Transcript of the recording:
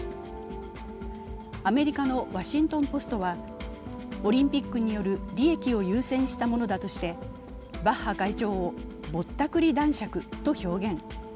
アメリカの「ワシントン・ポスト」はオリンピックによる利益を優先したものだとしてバッハ会長をぼったくり男爵と表現。